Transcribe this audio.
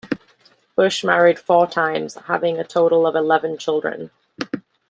Busch married four times, having a total of eleven children.